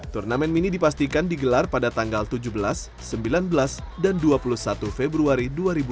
turnamen mini dipastikan digelar pada tanggal tujuh belas sembilan belas dan dua puluh satu februari dua ribu dua puluh